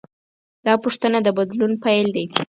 دا پوښتنه د بدلون پیل دی.